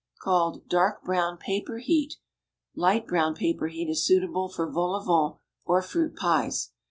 Called "dark brown paper heat." Light brown paper heat is suitable for vol au vents or fruit pies.